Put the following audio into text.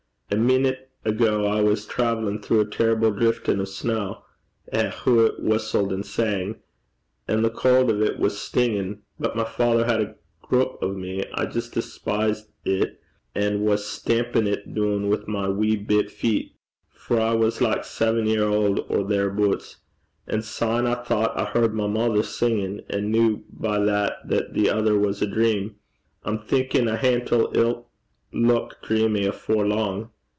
A meenute ago I was traivellin' throu a terrible driftin' o' snaw eh, hoo it whustled and sang! and the cauld o' 't was stingin'; but my father had a grup o' me, an' I jist despised it, an' was stampin' 't doon wi' my wee bit feet, for I was like saven year auld or thereaboots. An' syne I thocht I heard my mither singin', and kent by that that the ither was a dream. I'm thinkin' a hantle 'ill luik dreamy afore lang.